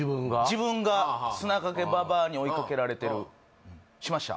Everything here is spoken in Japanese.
自分が砂かけばばあに追いかけられてるしました？